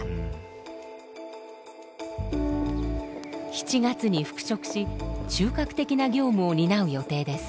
７月に復職し中核的な業務を担う予定です。